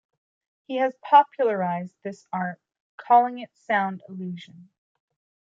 He has popularized this art, calling it Sound illusion.